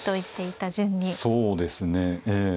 そうですねええ。